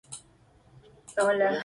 Revista Internacional.